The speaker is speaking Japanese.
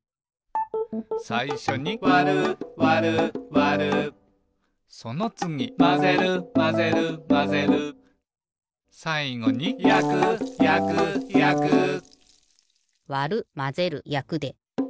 さいしょに「わるわるわる」そのつぎ「まぜるまぜるまぜる」さいごに「やくやくやく」わるまぜるやくで。